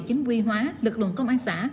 chính quy hóa lực lượng công an xã